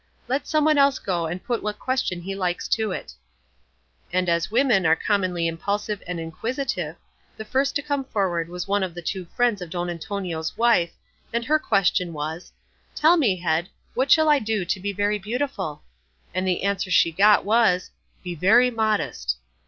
Let some one else go and put what question he likes to it." And as women are commonly impulsive and inquisitive, the first to come forward was one of the two friends of Don Antonio's wife, and her question was, "Tell me, Head, what shall I do to be very beautiful?" and the answer she got was, "Be very modest."